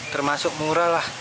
termasuk murah lah